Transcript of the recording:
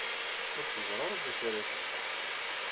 Ur teẓri ara d acu ara teg.